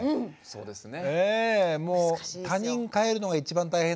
そうですね。